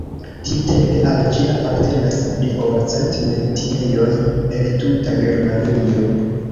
Tiutempe al ĝi apartenas pli ol cent metiejoj el tuta Germanio.